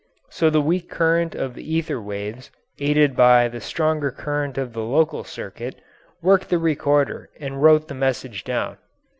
So the weak current of the ether waves, aided by the stronger current of the local circuit, worked the recorder and wrote the message down.